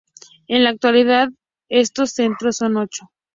En la actualidad estos centros son ocho.